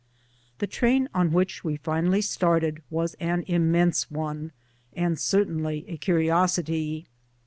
The train on which we finally started was an immense one, and certainly a curiosity.